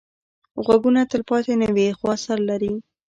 غږونه تلپاتې نه وي، خو اثر لري